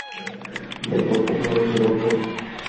দেখো পোকাগুলো জীবন্ত।